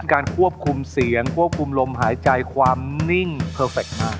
การควบคุมเสียงควบคุมลมหายใจความนิ่งเพอร์เฟคมาก